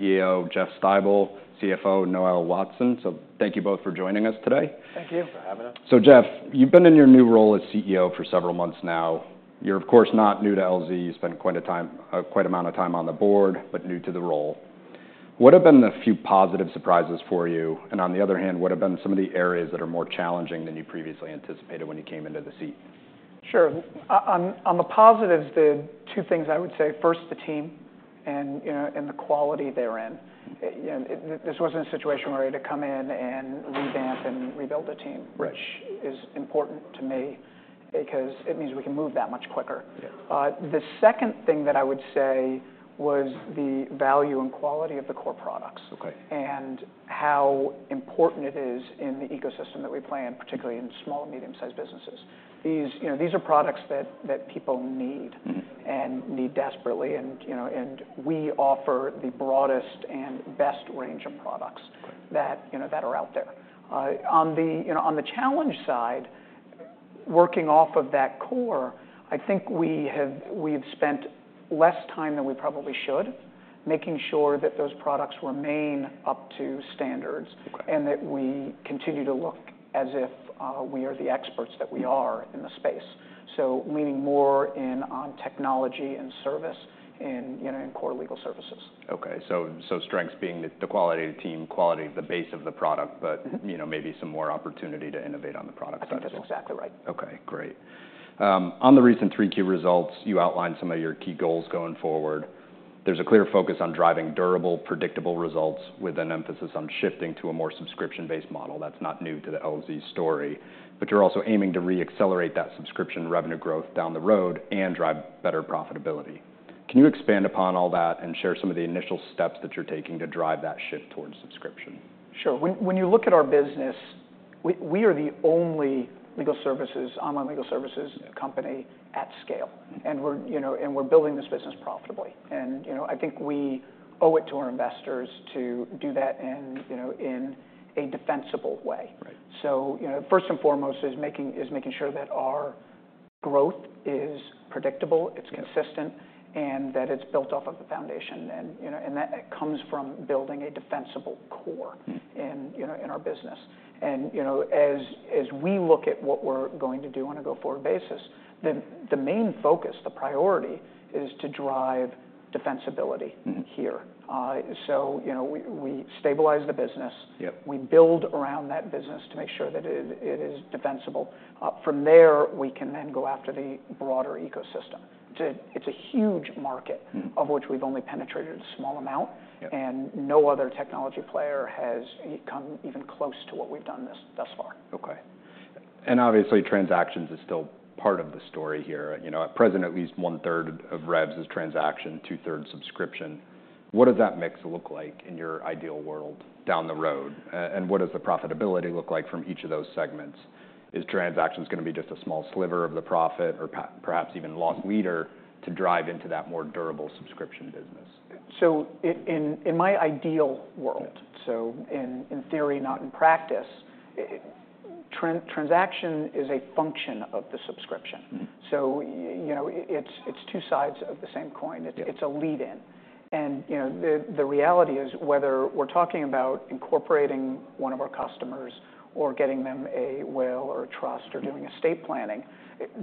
CEO Jeffrey Stibel, CFO Noel Watson. So thank you both for joining us today. Thank you for having us. So Jeffrey, you've been in your new role as CEO for several months now. You're, of course, not new to LZ. You spent quite an amount of time on the board, but new to the role. What have been the few positive surprises for you? And on the other hand, what have been some of the areas that are more challenging than you previously anticipated when you came into the seat? Sure. On the positives, the two things I would say: first, the team, and the quality therein. This wasn't a situation where I had to come in and revamp and rebuild the team, which is important to me because it means we can move that much quicker. The second thing that I would say was the value and quality of the core products and how important it is in the ecosystem that we play in, particularly in small and medium-sized businesses. These are products that people need and need desperately, and we offer the broadest and best range of products that are out there. On the challenge side, working off of that core, I think we have spent less time than we probably should, making sure that those products remain up to standards and that we continue to look as if we are the experts that we are in the space. So leaning more in on technology and service and core legal services. Okay. So strengths being the quality of the team, quality of the base of the product, but maybe some more opportunity to innovate on the product side. I think that's exactly right. Okay. Great. On the recent three key results, you outlined some of your key goals going forward. There's a clear focus on driving durable, predictable results with an emphasis on shifting to a more subscription-based model. That's not new to the LZ story. But you're also aiming to re-accelerate that subscription revenue growth down the road and drive better profitability. Can you expand upon all that and share some of the initial steps that you're taking to drive that shift towards subscription? Sure. When you look at our business, we are the only legal services, online legal services company at scale. And we're building this business profitably. And I think we owe it to our investors to do that in a defensible way. So first and foremost is making sure that our growth is predictable, it's consistent, and that it's built off of the foundation. And that comes from building a defensible core in our business. And as we look at what we're going to do on a go-forward basis, the main focus, the priority is to drive defensibility here. So we stabilize the business. We build around that business to make sure that it is defensible. From there, we can then go after the broader ecosystem. It's a huge market of which we've only penetrated a small amount, and no other technology player has come even close to what we've done thus far. Okay. And obviously, transactions is still part of the story here. At present, at least one-third of revs is transaction, two-thirds subscription. What does that mix look like in your ideal world down the road? And what does the profitability look like from each of those segments? Is transactions going to be just a small sliver of the profit or perhaps even loss leader to drive into that more durable subscription business? So in my ideal world, so in theory, not in practice, transaction is a function of the subscription. So it's two sides of the same coin. It's a lead-in. And the reality is whether we're talking about incorporating one of our customers or getting them a will or a trust or doing estate planning,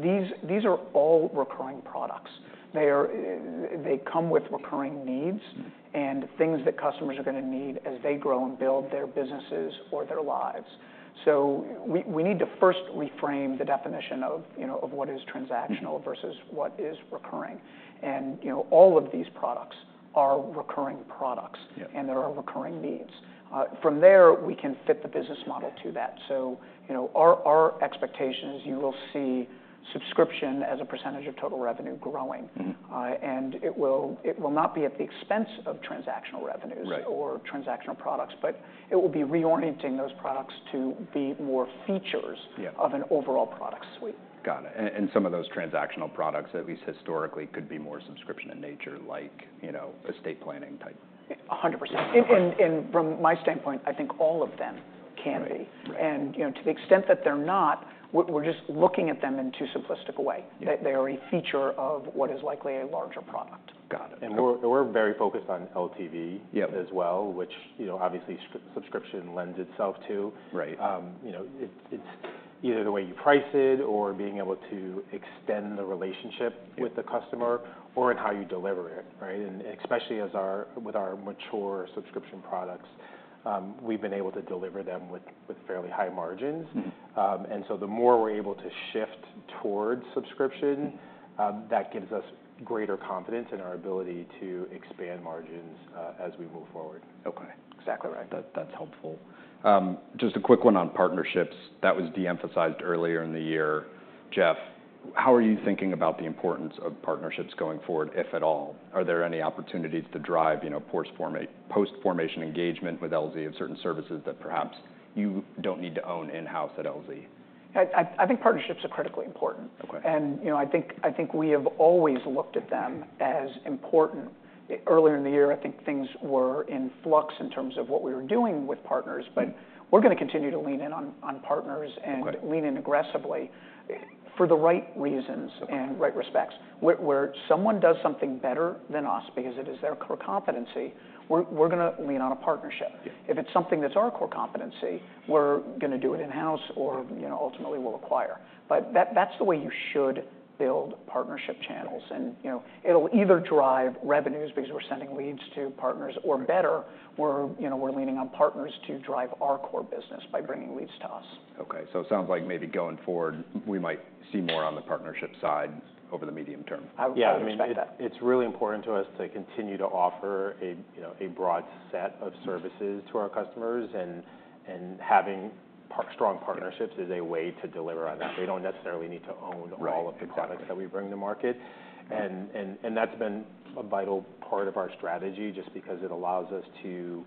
these are all recurring products. They come with recurring needs and things that customers are going to need as they grow and build their businesses or their lives. So we need to first reframe the definition of what is transactional versus what is recurring. And all of these products are recurring products, and there are recurring needs. From there, we can fit the business model to that. So our expectation is you will see subscription as a percentage of total revenue growing. It will not be at the expense of transactional revenues or transactional products, but it will be reorienting those products to be more features of an overall product suite. Got it. And some of those transactional products, at least historically, could be more subscription in nature, like estate planning type? 100%. And from my standpoint, I think all of them can be. And to the extent that they're not, we're just looking at them in a too simplistic way. They are a feature of what is likely a larger product. Got it. And we're very focused on LTV as well, which obviously subscription lends itself to. It's either the way you price it or being able to extend the relationship with the customer or in how you deliver it, right? And especially with our mature subscription products, we've been able to deliver them with fairly high margins. And so the more we're able to shift towards subscription, that gives us greater confidence in our ability to expand margins as we move forward. Okay. Exactly right. That's helpful. Just a quick one on partnerships. That was de-emphasized earlier in the year. Jeffrey, how are you thinking about the importance of partnerships going forward, if at all? Are there any opportunities to drive post-formation engagement with LZ of certain services that perhaps you don't need to own in-house at LZ? I think partnerships are critically important. And I think we have always looked at them as important. Earlier in the year, I think things were in flux in terms of what we were doing with partners. But we're going to continue to lean in on partners and lean in aggressively for the right reasons and right respects. Where someone does something better than us because it is their core competency, we're going to lean on a partnership. If it's something that's our core competency, we're going to do it in-house or ultimately we'll acquire. But that's the way you should build partnership channels. And it'll either drive revenues because we're sending leads to partners, or better, we're leaning on partners to drive our core business by bringing leads to us. Okay, so it sounds like maybe going forward, we might see more on the partnership side over the medium term. I mean, it's really important to us to continue to offer a broad set of services to our customers. And having strong partnerships is a way to deliver on that. They don't necessarily need to own all of the products that we bring to market. And that's been a vital part of our strategy just because it allows us to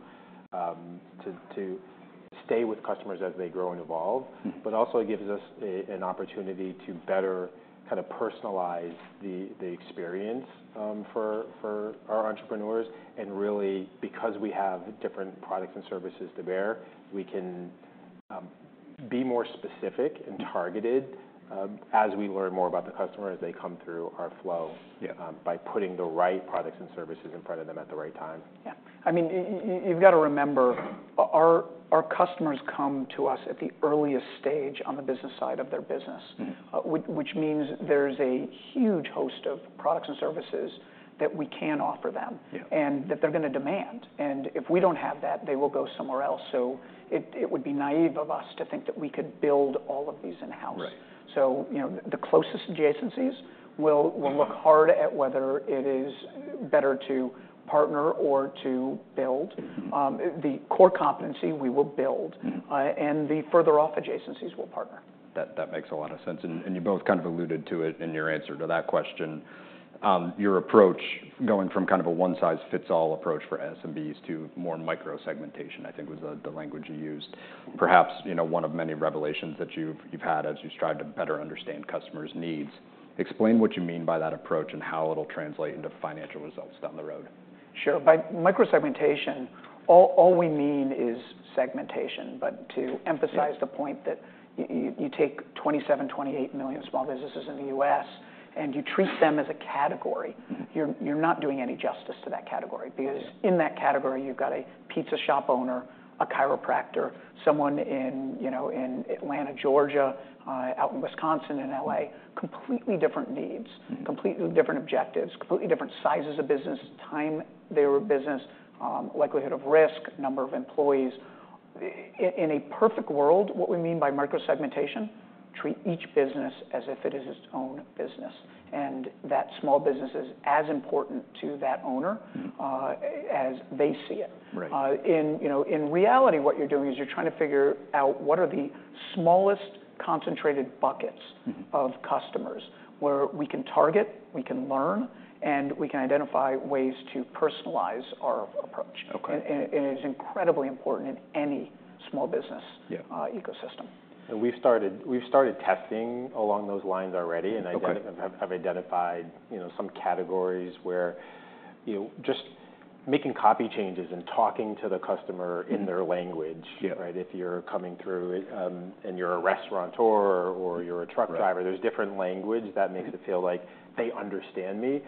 stay with customers as they grow and evolve. But also it gives us an opportunity to better kind of personalize the experience for our entrepreneurs. And really, because we have different products and services to bear, we can be more specific and targeted as we learn more about the customer as they come through our flow by putting the right products and services in front of them at the right time. I mean, you've got to remember, our customers come to us at the earliest stage on the business side of their business, which means there's a huge host of products and services that we can offer them and that they're going to demand. And if we don't have that, they will go somewhere else. So it would be naive of us to think that we could build all of these in-house. So the closest adjacencies, we'll look hard at whether it is better to partner or to build. The core competency, we will build. And the further off adjacencies, we'll partner. That makes a lot of sense, and you both kind of alluded to it in your answer to that question. Your approach, going from kind of a one-size-fits-all approach for SMBs to more micro-segmentation, I think was the language you used, perhaps one of many revelations that you've had as you strive to better understand customers' needs. Explain what you mean by that approach and how it'll translate into financial results down the road. Sure. By micro-segmentation, all we mean is segmentation, but to emphasize the point that you take 27, 28 million small businesses in the U.S. and you treat them as a category, you're not doing any justice to that category. Because in that category, you've got a pizza shop owner, a chiropractor, someone in Atlanta, Georgia, out in Wisconsin, in LA, completely different needs, completely different objectives, completely different sizes of business, time they were in business, likelihood of risk, number of employees. In a perfect world, what we mean by micro-segmentation, treat each business as if it is its own business, and that small business is as important to that owner as they see it. In reality, what you're doing is you're trying to figure out what are the smallest concentrated buckets of customers where we can target, we can learn, and we can identify ways to personalize our approach. It is incredibly important in any small business ecosystem. We've started testing along those lines already. I think I have identified some categories where just making copy changes and talking to the customer in their language, right? If you're coming through and you're a restaurateur or you're a truck driver, there's different language that makes it feel like they understand me.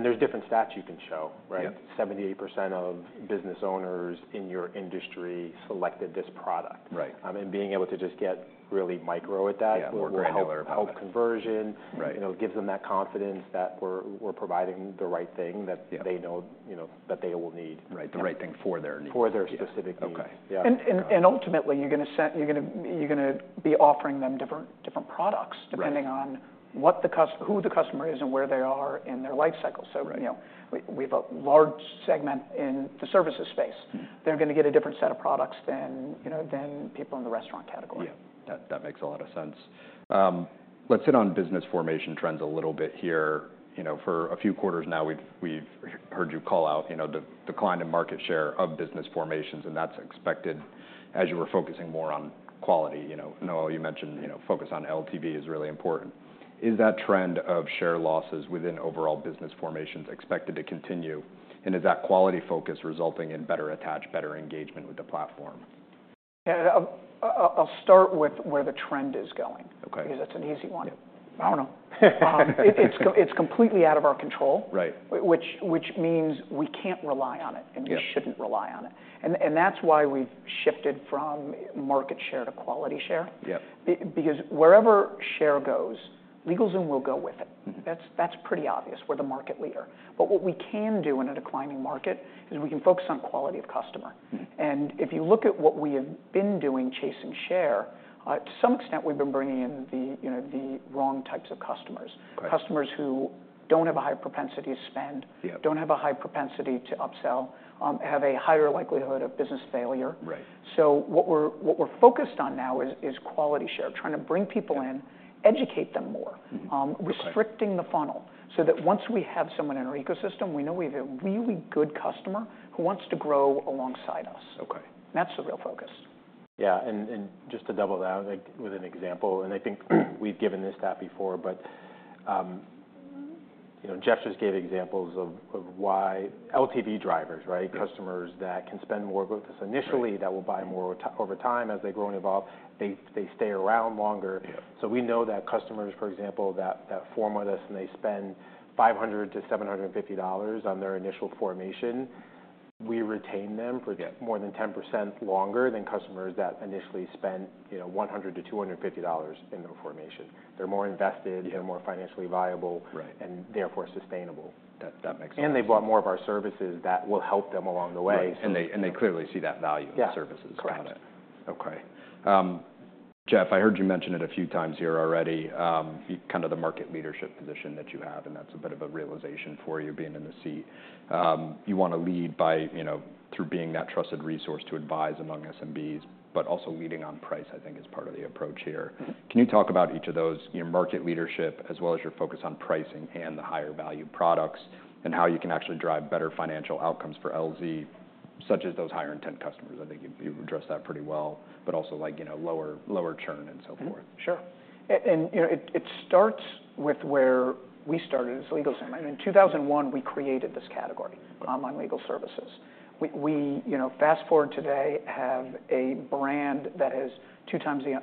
There's different stats you can show, right? 78% of business owners in your industry selected this product. Being able to just get really micro at that will help conversion. It gives them that confidence that we're providing the right thing that they know that they will need. Right. The right thing for their needs. For their specific needs. Ultimately, you're going to be offering them different products depending on who the customer is and where they are in their life cycle. We have a large segment in the services space. They're going to get a different set of products than people in the restaurant category. That makes a lot of sense. Let's hit on business formation trends a little bit here. For a few quarters now, we've heard you call out the decline in market share of business formations. And that's expected as you were focusing more on quality. Noel, you mentioned focus on LTV is really important. Is that trend of share losses within overall business formations expected to continue? And is that quality focus resulting in better attach, better engagement with the platform? YI'll start with where the trend is going because that's an easy one. I don't know. It's completely out of our control, which means we can't rely on it and we shouldn't rely on it. And that's why we've shifted from market share to quality share. Because wherever share goes, LegalZoom will go with it. That's pretty obvious we're the market leader. But what we can do in a declining market is we can focus on quality of customer. And if you look at what we have been doing chasing share, to some extent, we've been bringing in the wrong types of customers. Customers who don't have a high propensity to spend, don't have a high propensity to upsell, have a higher likelihood of business failure. So what we're focused on now is quality share, trying to bring people in, educate them more, restricting the funnel so that once we have someone in our ecosystem, we know we have a really good customer who wants to grow alongside us. And that's the real focus. And just to double down with an example, and I think we've given this stat before, but Jeff just gave examples of why LTV drivers, right? Customers that can spend more with us initially that will buy more over time as they grow and evolve, they stay around longer. So we know that customers, for example, that form with us and they spend $500-$750 on their initial formation, we retain them for more than 10% longer than customers that initially spent $100-$250 in their formation. They're more invested, they're more financially viable, and therefore sustainable. That makes sense. And they bought more of our services that will help them along the way. Right. And they clearly see that value in the services. Got it. Jeffrey, I heard you mention it a few times here already, kind of the market leadership position that you have. And that's a bit of a realization for you being in the seat. You want to lead through being that trusted resource to advise among SMBs, but also leading on price, I think, is part of the approach here. Can you talk about each of those, your market leadership as well as your focus on pricing and the higher value products and how you can actually drive better financial outcomes for LZ, such as those higher intent customers? I think you addressed that pretty well, but also lower churn and so forth. Sure, and it starts with where we started as LegalZoom. In 2001, we created this category, online legal services. We fast forward today, have a brand that has two times the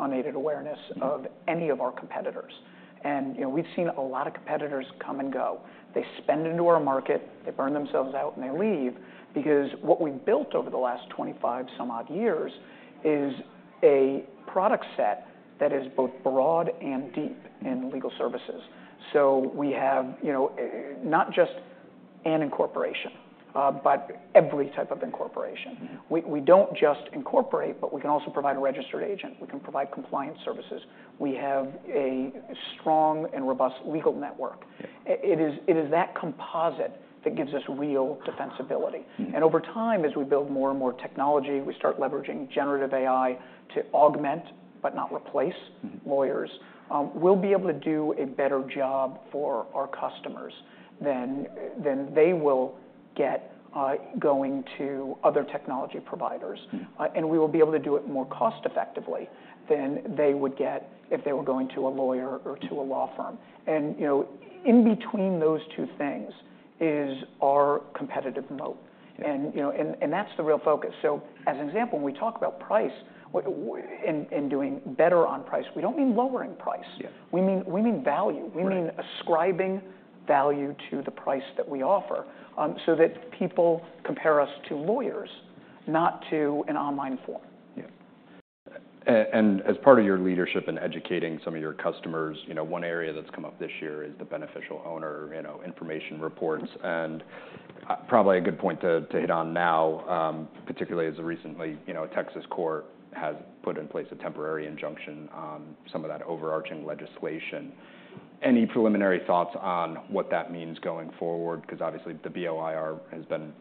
unaided awareness of any of our competitors, and we've seen a lot of competitors come and go. They spend into our market, they burn themselves out, and they leave. Because what we've built over the last 25 some odd years is a product set that is both broad and deep in legal services, so we have not just an incorporation, but every type of incorporation. We don't just incorporate, but we can also provide a registered agent. We can provide compliance services. We have a strong and robust legal network. It is that composite that gives us real defensibility. Over time, as we build more and more technology, we start leveraging generative AI to augment, but not replace lawyers. We'll be able to do a better job for our customers than they will get going to other technology providers. And we will be able to do it more cost-effectively than they would get if they were going to a lawyer or to a law firm. And in between those two things is our competitive moat. And that's the real focus. So as an example, when we talk about price and doing better on price, we don't mean lowering price. We mean value. We mean ascribing value to the price that we offer so that people compare us to lawyers, not to an online form. And as part of your leadership in educating some of your customers, one area that's come up this year is the beneficial ownership information reports. And probably a good point to hit on now, particularly as recently a Texas court has put in place a temporary injunction on some of that overarching legislation. Any preliminary thoughts on what that means going forward? Because obviously the BOIR has been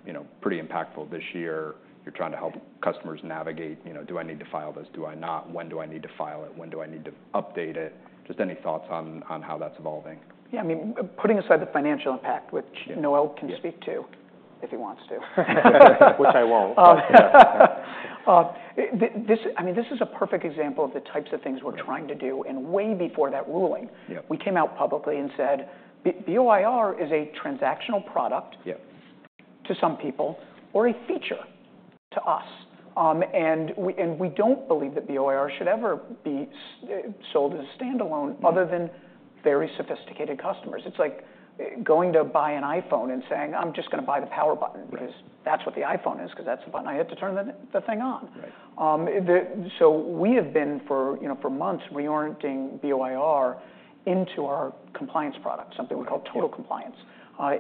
pretty impactful this year. You're trying to help customers navigate, do I need to file this, do I not? When do I need to file it? When do I need to update it? Just any thoughts on how that's evolving? I mean, putting aside the financial impact, which Noel can speak to if he wants to. Which I won't. I mean, this is a perfect example of the types of things we're trying to do. And way before that ruling, we came out publicly and said, BOIR is a transactional product to some people or a feature to us. And we don't believe that BOIR should ever be sold as a standalone other than very sophisticated customers. It's like going to buy an iPhone and saying, I'm just going to buy the power button because that's what the iPhone is because that's the button I have to turn the thing on. So we have been for months reorienting BOIR into our compliance product, something we call total compliance.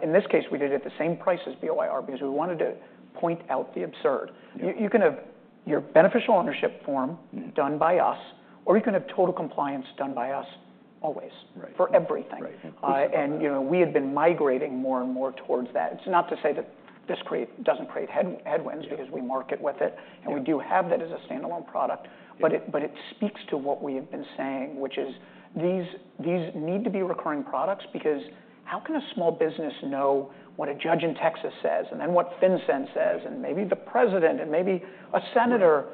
In this case, we did it at the same price as BOIR because we wanted to point out the absurd. You can have your beneficial ownership form done by us, or you can have Total Compliance done by us always for everything. And we had been migrating more and more towards that. It's not to say that this doesn't create headwinds because we market with it. And we do have that as a standalone product. But it speaks to what we have been saying, which is these need to be recurring products because how can a small business know what a judge in Texas says and then what FinCEN says and maybe the president and maybe a senator?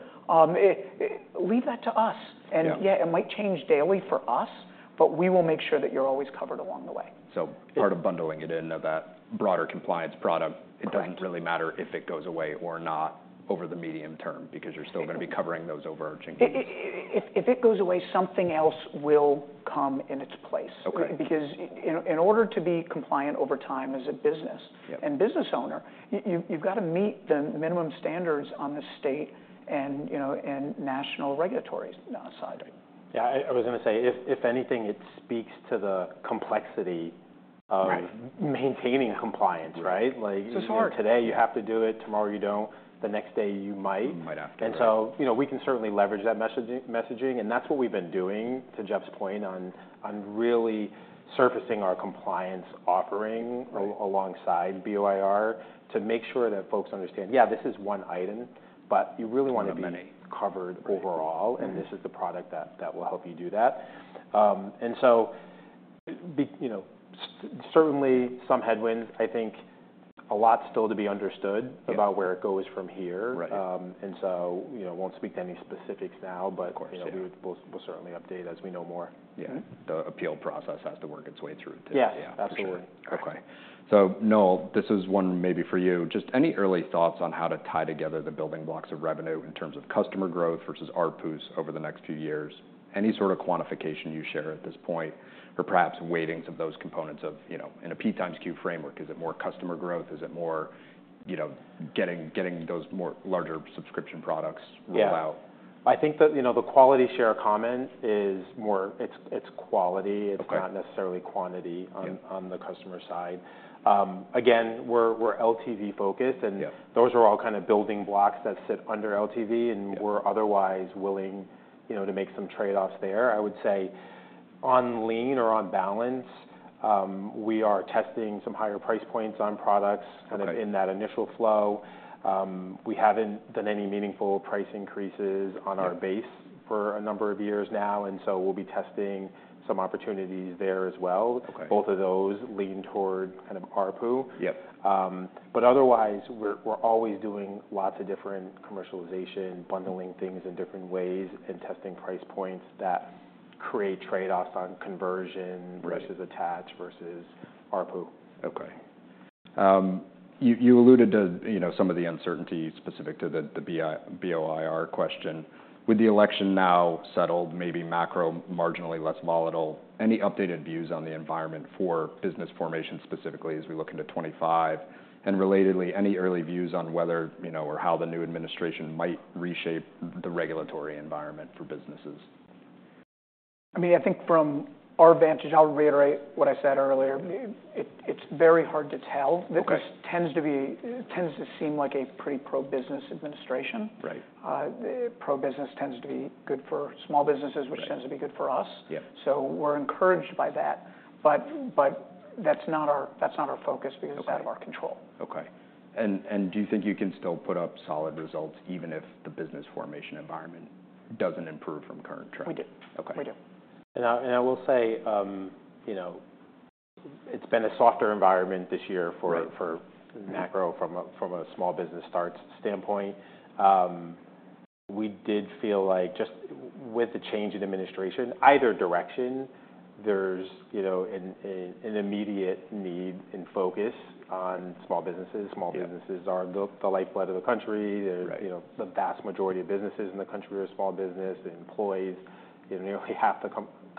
Leave that to us. And it might change daily for us, but we will make sure that you're always covered along the way. Part of bundling it into that broader compliance product, it doesn't really matter if it goes away or not over the medium term because you're still going to be covering those overarching things. If it goes away, something else will come in its place. Because in order to be compliant over time as a business and business owner, you've got to meet the minimum standards on the state and national regulatory side. I was going to say, if anything, it speaks to the complexity of maintaining compliance, right? Like today you have to do it, tomorrow you don't, the next day you might. And so we can certainly leverage that messaging. And that's what we've been doing to Jeffrey's point on really surfacing our compliance offering alongside BOIR to make sure that folks understand, this is one item, but you really want to be covered overall. And this is the product that will help you do that. And so certainly some headwinds. I think a lot still to be understood about where it goes from here. And so I won't speak to any specifics now, but we'll certainly update as we know more. The appeal process has to work its way through too. Absolutely. Okay. So Noel, this is one maybe for you. Just any early thoughts on how to tie together the building blocks of revenue in terms of customer growth versus ARPUs over the next few years? Any sort of quantification you share at this point? Or perhaps weightings of those components in a P times Q framework? Is it more customer growth? Is it more getting those larger subscription products rolled out? I think that the quality share comment is more, it's quality. It's not necessarily quantity on the customer side. Again, we're LTV-focused, and those are all kind of building blocks that sit under LTV, and we're otherwise willing to make some trade-offs there. I would say online, on balance, we are testing some higher price points on products kind of in that initial flow. We haven't done any meaningful price increases on our base for a number of years now, so we'll be testing some opportunities there as well. Both of those lean toward kind of RPU, but otherwise, we're always doing lots of different commercialization, bundling things in different ways and testing price points that create trade-offs on conversion versus attach versus RPU. Okay. You alluded to some of the uncertainty specific to the BOIR question. With the election now settled, maybe macro marginally less volatile, any updated views on the environment for business formation specifically as we look into 2025? And relatedly, any early views on whether or how the new administration might reshape the regulatory environment for businesses? I mean, I think from our vantage, I'll reiterate what I said earlier. It's very hard to tell. It tends to seem like a pretty pro-business administration. Pro-business tends to be good for small businesses, which tends to be good for us. So we're encouraged by that. But that's not our focus because it's out of our control. Okay. And do you think you can still put up solid results even if the business formation environment doesn't improve from current trend? We do. We do. And I will say it's been a softer environment this year for macro from a small business starts standpoint. We did feel like just with the change in administration, either direction, there's an immediate need and focus on small businesses. Small businesses are the lifeblood of the country. The vast majority of businesses in the country are small business. Employees, nearly half the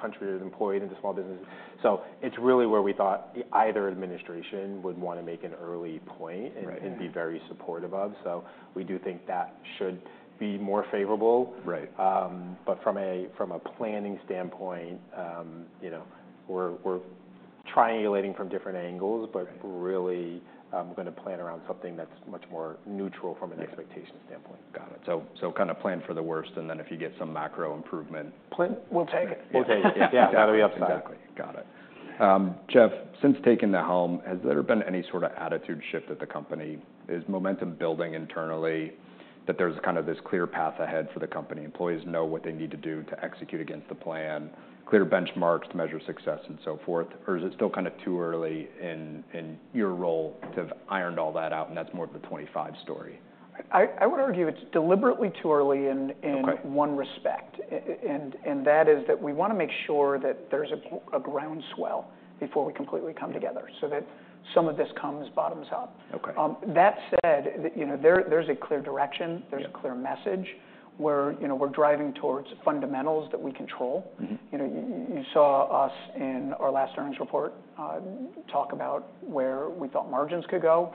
country is employed into small businesses. So it's really where we thought either administration would want to make an early point and be very supportive of. So we do think that should be more favorable. But from a planning standpoint, we're triangulating from different angles, but really going to plan around something that's much more neutral from an expectation standpoint. Got it. So kind of plan for the worst and then if you get some macro improvement. We'll take it. We'll take it. That'll be upside. Exactly. Got it. Jeffrey, since taking the helm, has there been any sort of attitude shift at the company? Is momentum building internally that there's kind of this clear path ahead for the company? Employees know what they need to do to execute against the plan, clear benchmarks to measure success and so forth? Or is it still kind of too early in your role to have ironed all that out and that's more of the '25 story? I would argue it's deliberately too early in one respect. And that is that we want to make sure that there's a groundswell before we completely come together so that some of this comes bottoms up. That said, there's a clear direction, there's a clear message where we're driving towards fundamentals that we control. You saw us in our last earnings report talk about where we thought margins could go,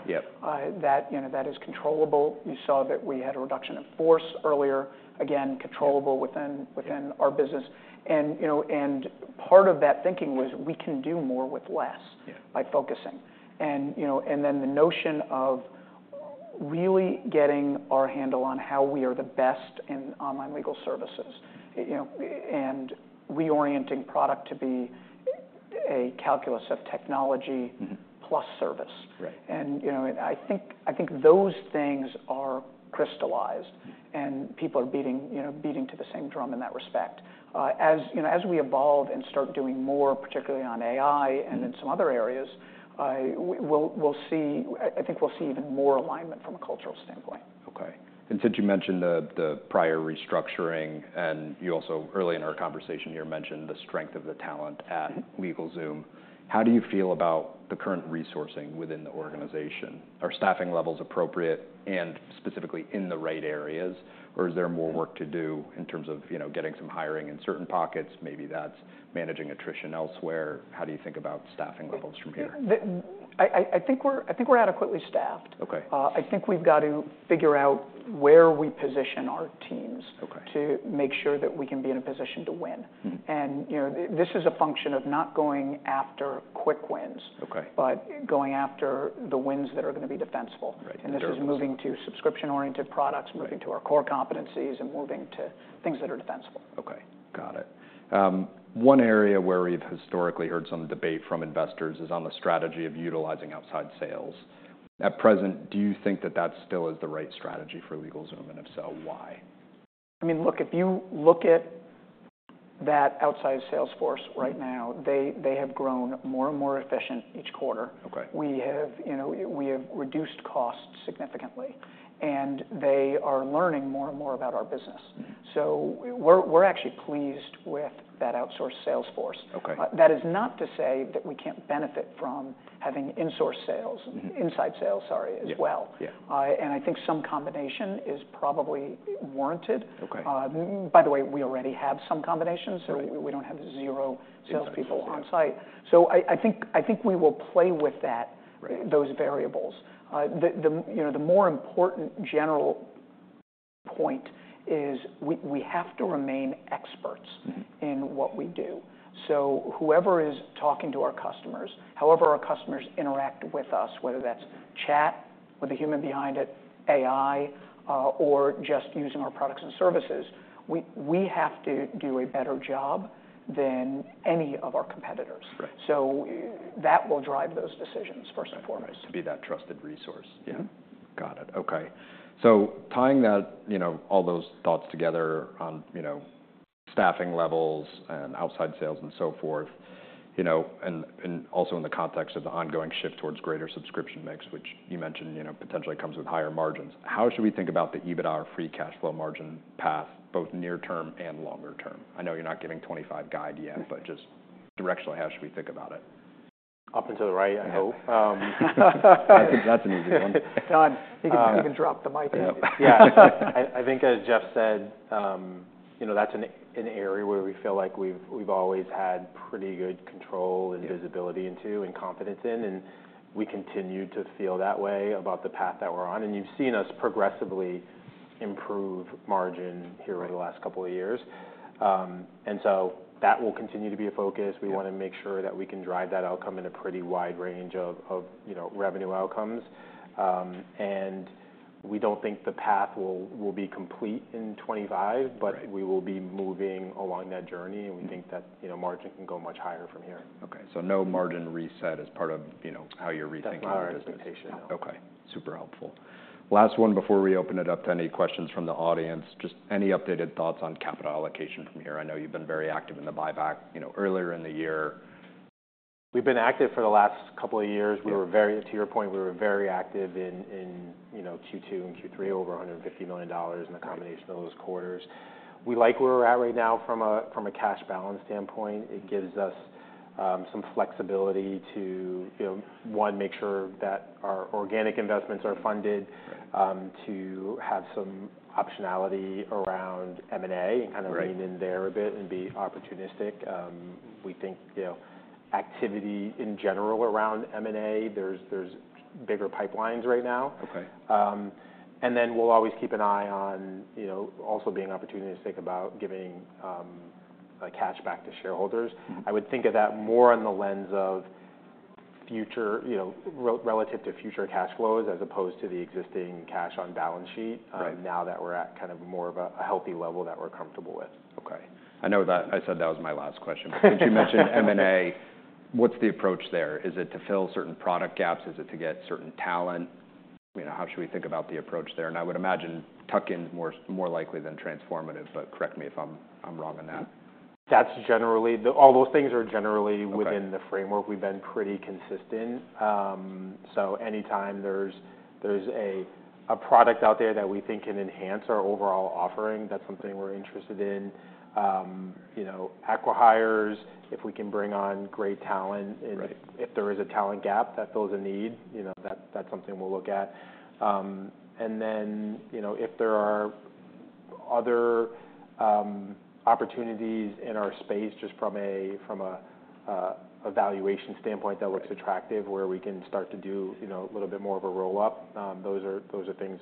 that is controllable. You saw that we had a reduction in force earlier, again, controllable within our business. And part of that thinking was we can do more with less by focusing. And then the notion of really getting our handle on how we are the best in online legal services and reorienting product to be a calculus of technology plus service. And I think those things are crystallized and people are beating to the same drum in that respect. As we evolve and start doing more, particularly on AI and in some other areas, I think we'll see even more alignment from a cultural standpoint. Okay, and since you mentioned the prior restructuring and you also early in our conversation here mentioned the strength of the talent at LegalZoom, how do you feel about the current resourcing within the organization? Are staffing levels appropriate and specifically in the right areas? Or is there more work to do in terms of getting some hiring in certain pockets? Maybe that's managing attrition elsewhere. How do you think about staffing levels from here? I think we're adequately staffed. I think we've got to figure out where we position our teams to make sure that we can be in a position to win. And this is a function of not going after quick wins, but going after the wins that are going to be defensible. And this is moving to subscription-oriented products, moving to our core competencies, and moving to things that are defensible. Okay. Got it. One area where we've historically heard some debate from investors is on the strategy of utilizing outside sales. At present, do you think that that still is the right strategy for LegalZoom? And if so, why? I mean, look, if you look at that outside sales force right now, they have grown more and more efficient each quarter. We have reduced costs significantly, and they are learning more and more about our business, so we're actually pleased with that outsourced sales force. That is not to say that we can't benefit from having inside sales, sorry, as well, and I think some combination is probably warranted. By the way, we already have some combinations. We don't have zero salespeople on site, so I think we will play with those variables. The more important general point is we have to remain experts in what we do, so whoever is talking to our customers, however our customers interact with us, whether that's chat with the human behind it, AI, or just using our products and services, we have to do a better job than any of our competitors. So that will drive those decisions first and foremost. To be that trusted resource. Got it. So tying all those thoughts together on staffing levels and outside sales and so forth, and also in the context of the ongoing shift towards greater subscription mix, which you mentioned potentially comes with higher margins, how should we think about the EBITDA or free cash flow margin path, both near-term and longer term? I know you're not giving 2025 guide yet, but just directionally, how should we think about it? Up and to the right, I hope. That's an easy one. I think I can drop the mic. I think as Jeffrey said, that's an area where we feel like we've always had pretty good control and visibility into and confidence in, and we continue to feel that way about the path that we're on, and you've seen us progressively improve margin here over the last couple of years, and so that will continue to be a focus. We want to make sure that we can drive that outcome in a pretty wide range of revenue outcomes, and we don't think the path will be complete in 2025, but we will be moving along that journey, and we think that margin can go much higher from here. Okay, so no margin reset as part of how you're rethinking the business. Okay. Super helpful. Last one before we open it up to any questions from the audience. Just any updated thoughts on capital allocation from here? I know you've been very active in the buyback earlier in the year. We've been active for the last couple of years. To your point, we were very active in Q2 and Q3 over $150 million in the combination of those quarters. We like where we're at right now from a cash balance standpoint. It gives us some flexibility to, one, make sure that our organic investments are funded, to have some optionality around M&A and kind of lean in there a bit and be opportunistic. We think activity in general around M&A, there's bigger pipelines right now, and then we'll always keep an eye on also being opportunistic about giving cash back to shareholders. I would think of that more through the lens of relative to future cash flows as opposed to the existing cash on balance sheet now that we're at kind of more of a healthy level that we're comfortable with. Okay. I said that was my last question. Since you mentioned M&A, what's the approach there? Is it to fill certain product gaps? Is it to get certain talent? How should we think about the approach there? And I would imagine tuck-in is more likely than transformative, but correct me if I'm wrong on that. All those things are generally within the framework. We've been pretty consistent. So anytime there's a product out there that we think can enhance our overall offering, that's something we're interested in. Acqui-hires, if we can bring on great talent, and if there is a talent gap that fills a need, that's something we'll look at. And then if there are other opportunities in our space just from a valuation standpoint that looks attractive where we can start to do a little bit more of a roll-up, those are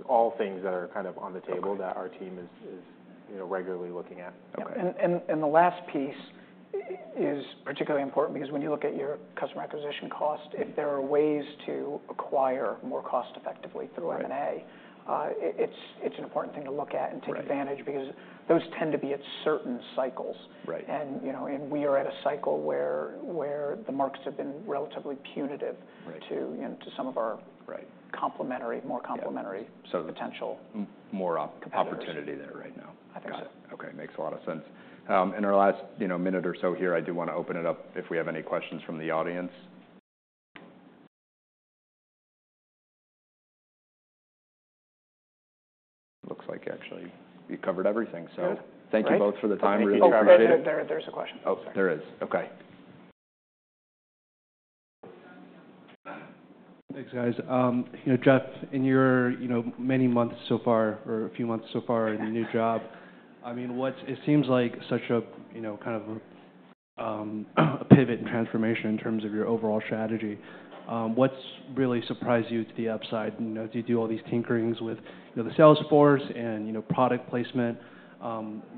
all things that are kind of on the table that our team is regularly looking at. And the last piece is particularly important because when you look at your customer acquisition cost, if there are ways to acquire more cost-effectively through M&A, it's an important thing to look at and take advantage because those tend to be at certain cycles. We are at a cycle where the markets have been relatively punitive to some of our more complementary potential. More opportunity there right now. I think so. Okay. Makes a lot of sense. In our last minute or so here, I do want to open it up if we have any questions from the audience. Looks like actually you covered everything. So thank you both for the time. I'm sorry. There's a question. Oh, there is. Okay. Thanks, guys. Jeffrey, in your many months so far or a few months so far in the new job, I mean, it seems like such a kind of a pivot and transformation in terms of your overall strategy. What's really surprised you to the upside? You do all these tinkering with the sales force and product placement.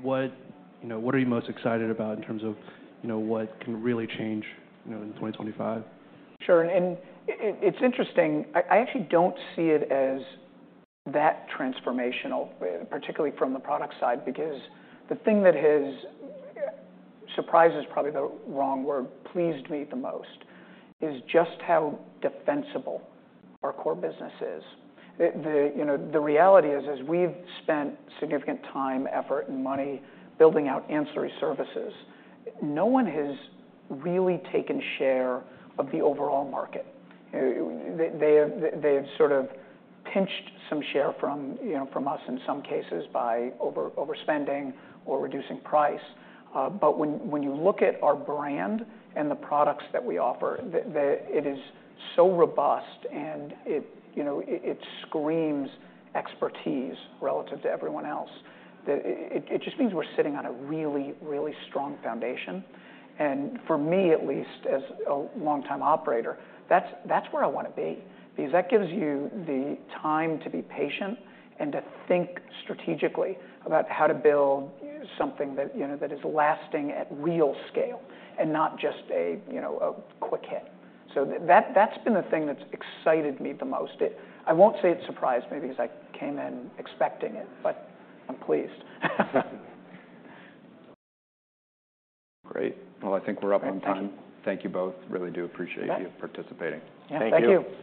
What are you most excited about in terms of what can really change in 2025? Sure, and it's interesting. I actually don't see it as that transformational, particularly from the product side because the thing that has surprised is probably the wrong word, pleased me the most, is just how defensible our core business is. The reality is, as we've spent significant time, effort, and money building out ancillary services, no one has really taken share of the overall market. They have sort of pinched some share from us in some cases by overspending or reducing price, but when you look at our brand and the products that we offer, it is so robust and it screams expertise relative to everyone else. It just means we're sitting on a really, really strong foundation. And for me, at least, as a long-time operator, that's where I want to be because that gives you the time to be patient and to think strategically about how to build something that is lasting at real scale and not just a quick hit. So that's been the thing that's excited me the most. I won't say it surprised me because I came in expecting it, but I'm pleased. Great. Well, I think we're up on time. Thank you both. Really do appreciate you participating. Thank you.